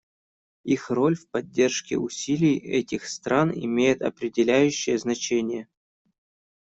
Их роль в поддержке усилий этих стран имеет определяющее значение.